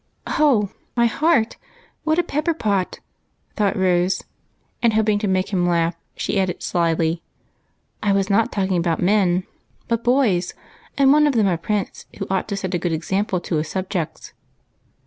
" Oh, my heart, what a pepperpot !" thought Rose, 272 EIGHT COUSINS. and, holding to make him laugh, she added slyly :" I was not talking about men, but boys, and one of them a Prince, who ought to set a good example to his subjects."